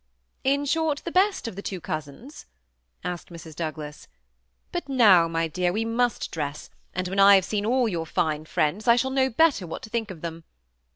*' In short, the best of the two cousins ?" asked Mrs. Douglas; '^but now, my dear, we must dress, and when I have seen all your fine friends, I shall know better what to think of them.